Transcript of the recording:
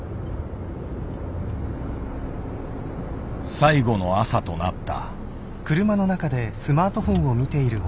最後の朝となった。